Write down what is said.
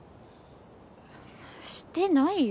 してないよ。